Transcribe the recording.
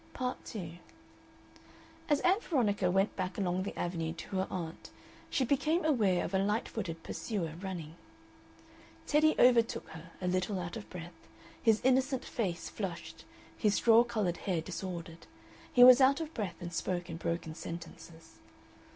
Part 2 As Ann Veronica went back along the Avenue to her aunt she became aware of a light footed pursuer running. Teddy overtook her, a little out of breath, his innocent face flushed, his straw colored hair disordered. He was out of breath, and spoke in broken sentences.